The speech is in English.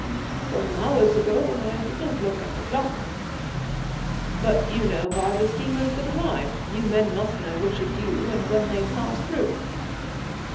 "Some hours ago. I did not look at the clock." "But you know by the steamers that arrive. You men must know which are due, and when they pass through."